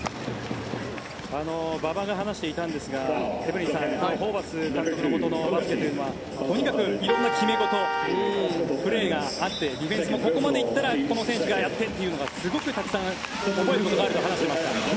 馬場が話していたんですがエブリンさんホーバス監督のもとのバスケはとにかく色んな決め事プレーがあってディフェンスもここまで行ったらこの選手がやってというのがすごくたくさん覚えることがあると話していました。